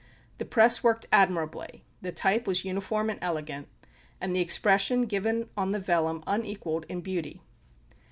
The press worked admirably; the type was uniform and elegant; and the expression given on the vellum, unequaled in beauty.